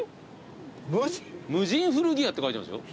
無人古着屋って書いてますよ。